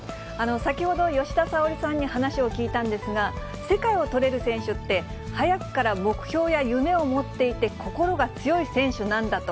先ほど、吉田沙保里さんに話を聞いたんですが、世界を取れる選手って、早くから目標や夢を持っていて、心が強い選手なんだと。